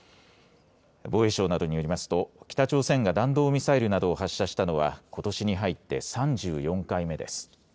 防衛省などによりますと北朝鮮が弾道ミサイルなどを発射したのはことしに入って３４回目です。